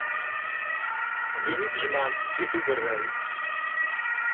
Din i d-jemεent zzit n uberray.